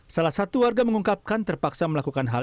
salah satu warga mengungkapkan terpaksa melakukan hal